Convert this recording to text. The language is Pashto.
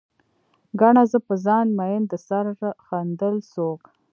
ګڼه، زه په ځان مين د سر ښندل څوک